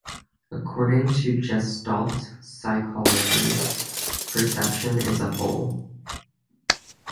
According to Gestalt psychology, perception is a whole.